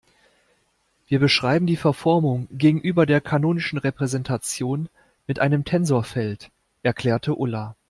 Wir beschreiben die Verformung gegenüber der kanonischen Repräsentation mit einem Tensorfeld, erklärte Ulla.